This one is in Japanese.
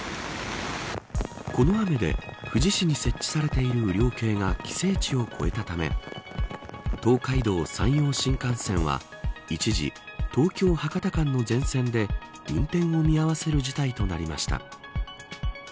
この雨で、富士市に設置されている雨量計が規制値を超えたため東海道・山陽新幹線は一時、東京、博多間の全線で運転を見合わせる事態となりました。